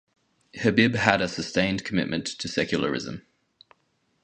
Habib had a sustained commitment to secularism.